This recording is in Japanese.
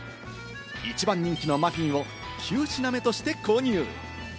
一番人気のマフィンを９品目として購入。